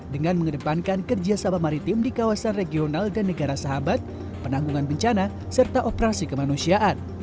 dengan mengedepankan kerjasama maritim di kawasan regional dan negara sahabat penanggungan bencana serta operasi kemanusiaan